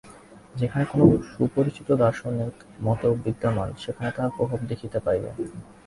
যেখানে কোন সুপরিচিত দার্শনিক মত বিদ্যমান, সেইখানেই তাঁহার প্রভাব দেখিতে পাইবে।